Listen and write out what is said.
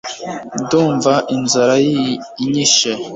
ndumva inzara inyishe